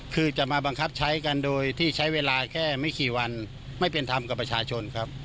คือจะมาบังคับใช้กันโดยที่ใช้เวลาแค่ไม่กี่วันไม่เป็นธรรมกับประชาชนครับ